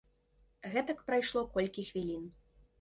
Гэтак прайшло колькі хвілін.